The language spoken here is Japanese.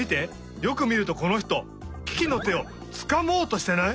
よくみるとこの人キキのてをつかもうとしてない？